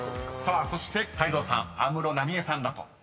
［そして泰造さん安室奈美恵さんだと］